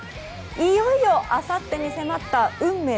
いよいよあさってに迫った運命